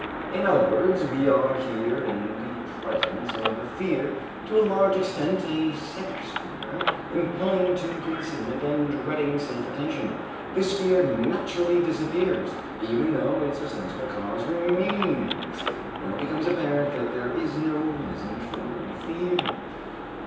In other words, we are here in the presence of a fear to a large extent a sex fear impelling to concealment, and dreading self attention; this fear naturally disappears, even though its ostensible cause remains, when it becomes apparent that there is no reason for fear.